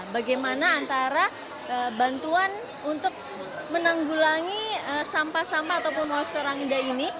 bagaimana antara bantuan untuk menanggulangi sampah sampah ataupun monster rangda ini